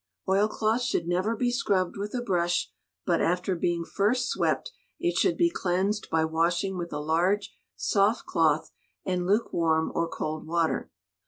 Oilcloth should never be scrubbed with a brush, but, after being first swept, it should be cleansed by washing with a large soft cloth and lukewarm or cold water.